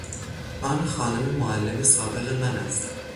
آن خانم معلم سابق من است.